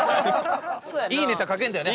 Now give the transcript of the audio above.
いいネタ書けるんだよね